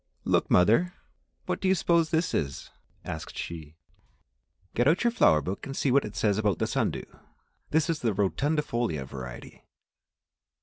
"Look, mother, what do you suppose this is?" asked she. "Get out your flower book and see what it says about the sun dew; this is the rotundifolia variety."